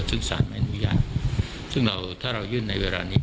ซึ่งสารใหม่หนุญยาถ้าเรายืดในเวลานี้